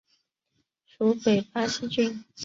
属北巴西郡。